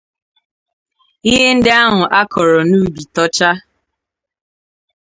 ihe ndị ahụ a kọrọ n'ubi tochaa